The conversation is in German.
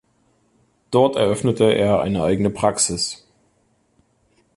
Dort eröffnete er eine eigene Praxis.